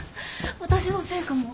私のせいかも。